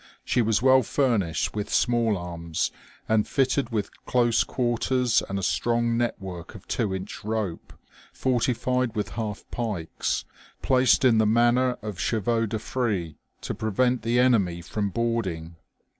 She was well furnished with small arms, and fitted with close quarters and a strong net work of 2 in. rope, fortified with half pikes, placed in the manner of chevaiux de frise, to prevent the enemy from boarding.